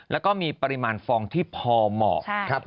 แล้วก็มีปริมาณฟองที่พอเหมาะครับ